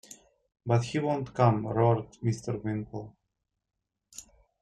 ‘But he won’t come!’ roared Mr. Winkle.